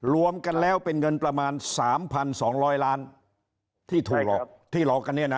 รวมกันแล้วเป็นเงินประมาณสามพันสองร้อยล้านที่ถูกหลอกที่หลอกกันเนี้ยนะ